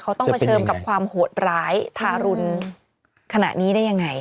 เขาต้องเผชิญกับความโหดร้ายทารุณขณะนี้ได้ยังไง